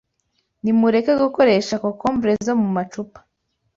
nimureke gukoresha kokombre zo mu macupa